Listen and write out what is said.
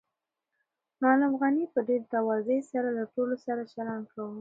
معلم غني په ډېرې تواضع سره له ټولو سره چلند کاوه.